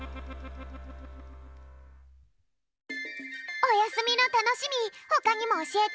おやすみのたのしみほかにもおしえて？